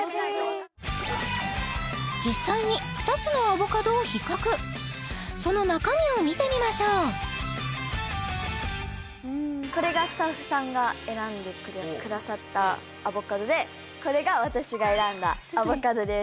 実際に二つのアボカドを比較その中身を見てみましょうこれがスタッフさんが選んでくださったアボカドでこれが私が選んだアボカドです